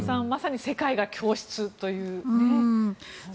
まさに世界が教室という。